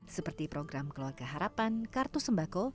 seperti program keluarga harapan kartu sembako